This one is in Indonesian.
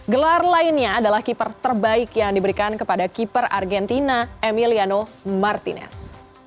gelar lainnya adalah keeper terbaik yang diberikan kepada keeper argentina emiliano martinez